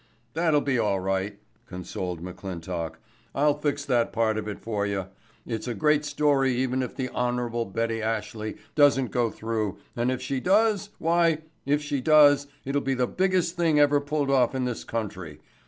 "That's be all right," consoled McClintock. "I'll fix that part of it for you. It's a great story even if the Hon. Betty Ashley doesn't go through and if she does—why, if she does, it'll be the biggest thing ever pulled off in this country.